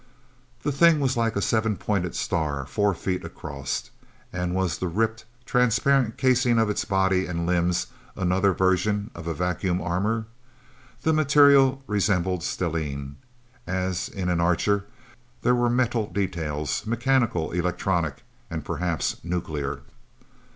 The thing was like a seven pointed star, four feet across. And was the ripped, transparent casing of its body and limbs another version of a vacuum armor? The material resembled stellene. As in an Archer, there were metal details, mechanical, electronic, and perhaps nuclear.